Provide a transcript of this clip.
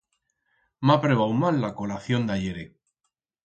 M'ha prebau mal la colación d'ahiere.